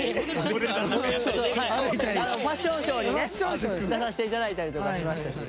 ファッションショーにね出させて頂いたりとかしましたし。